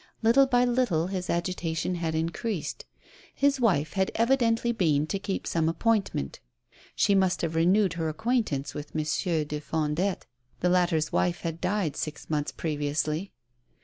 Little by little his agitation had increased. His wife had evidently been to keep some appointment. She must have re newed her acquaintance with Monsieur des Fondettes. The latter's wife had died six months previously.